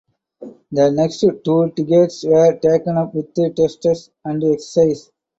The next two decades were taken up with tests and exercises.